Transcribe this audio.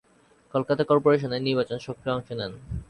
কলকাতা কর্পোরেশনের নির্বাচনে সক্রিয় অংশ নেন।